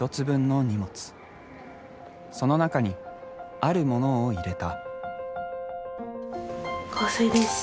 その中にあるモノを入れた。